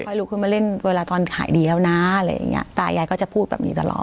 ลุกขึ้นมาเล่นเวลาตอนขายดีแล้วนะอะไรอย่างเงี้ตายายก็จะพูดแบบนี้ตลอด